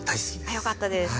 あっよかったです。